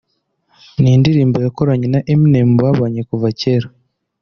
ni indirimbo yakoranye na Eminem babanye kuva kera